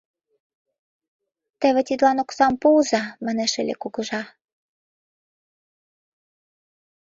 Теве тидлан оксам пуыза, манеш ыле кугыжа.